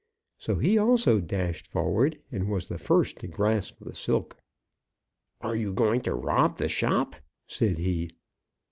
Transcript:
So he also dashed forward, and was the first to grasp the silk. "Are you going to rob the shop?" said he.